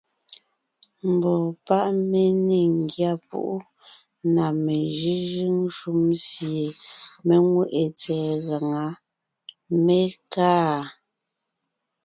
Mbɔɔ páʼ mé ne ńgyá púʼu na mejʉ́jʉ́ŋ shúm sie mé ŋweʼé tsɛ̀ɛ gaŋá, mé kaa.